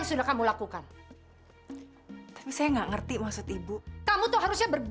yunat kau masuk duluan deh